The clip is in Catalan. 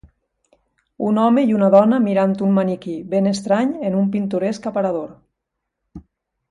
Un home i una dona mirant un maniquí ben estrany en un pintoresc aparador.